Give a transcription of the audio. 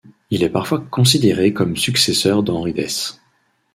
Il est parfois considéré comme successeur d'Henri Dès.